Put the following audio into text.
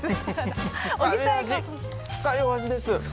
深いお味です。